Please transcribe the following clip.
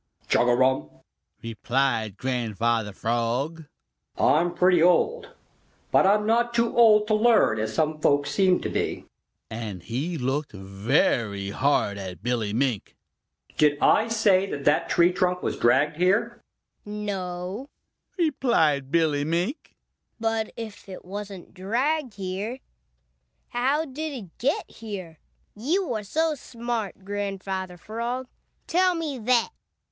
"Chugarum!" replied Grandfather Frog. "I'm pretty old, but I'm not too old to learn as some folks seem to be," and he looked very hard at Billy Mink. "Did I say that that tree trunk was dragged here?" "No," replied Billy Mink, "but if it wasn't dragged here, how did it get here? You are so smart, Grandfather Frog, tell me that!"